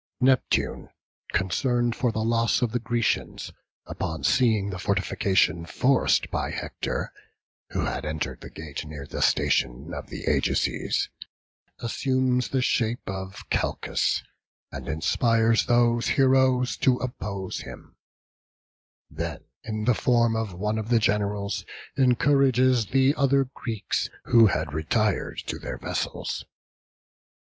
Neptune, concerned for the loss of the Grecians, upon seeing the fortification forced by Hector (who had entered the gate near the station of the Ajaces), assumes the shape of Calchas, and inspires those heroes to oppose him; then, in the form of one of the generals, encourages the other Greeks who had retired to their vessels.